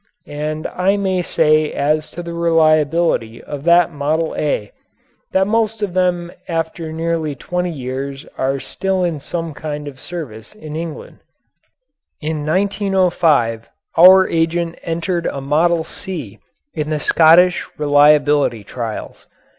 And I may say as to the reliability of that "Model A" that most of them after nearly twenty years are still in some kind of service in England. In 1905 our agent entered a "Model C" in the Scottish Reliability Trials.